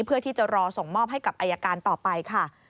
เพื่อที่จะรอส่งมอบให้กับอายการต่อไปค่ะ